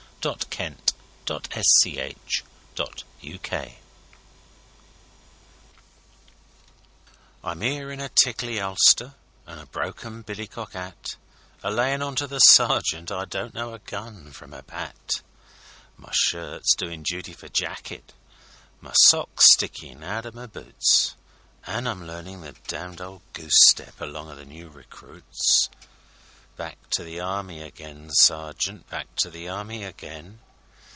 âBACK TO THE ARMY AGAINâ I'm 'ere in a ticky ulster an' a broken billycock 'at, A layin' on to the sergeant I don't know a gun from a bat; My shirt's doin' duty for jacket, my sock's stickin' out o' my boots, An' I'm learnin' the damned old goose step along o' the new recruits! Back to the Army again, sergeant, Back to the Army again.